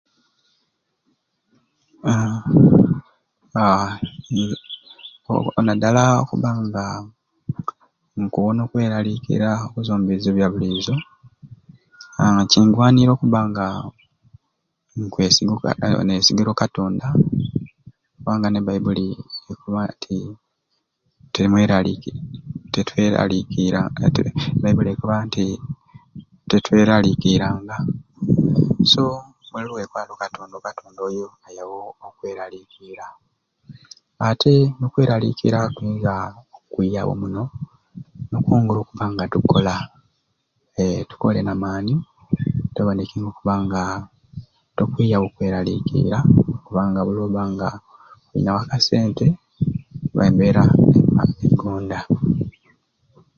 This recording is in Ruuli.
Haaa haa oku nadala okuba nga nkuwona okwelalikira okuzwa omu bizibu ebyabulizo haa kingwanire okuba nga okwesiga nesigire okatonda kubanga ne baibuli ekoba nti temwe tetwelalikiranga e baibuli okoba nti tetweralikiranga so buli niwekwata okatonda okatonda oyo eyawo okwelalikira ate nokwelalikira kuyinza kwiyawo muno nokuba nga tukweyongera okukola hee tukole namaani tuboneke okuba nga tukwiyawo okwelalikira kubanga buli noba nga oyinwo akasente embera eba ekugonda